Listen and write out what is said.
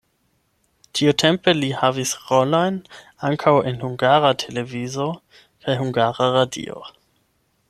Tiutempe li havis rolojn ankaŭ en Hungara Televizio kaj Hungara Radio.